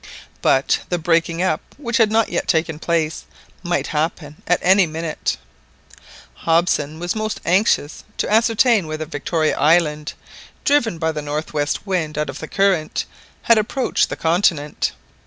But the breaking up, which had not yet taken place, might happen at any minute. Hobson was most anxious to ascertain whether Victoria Island, driven by the north west wind out of the current, had approached the continent.